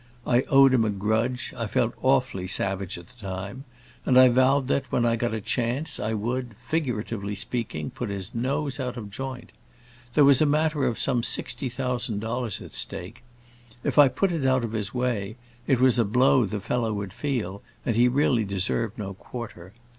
I owed him a grudge, I felt awfully savage at the time, and I vowed that, when I got a chance, I would, figuratively speaking, put his nose out of joint. There was a matter of some sixty thousand dollars at stake. If I put it out of his way, it was a blow the fellow would feel, and he really deserved no quarter.